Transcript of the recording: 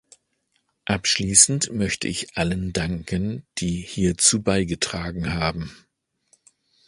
Abschließend möchte ich allen danken, die hierzu beigetragen haben.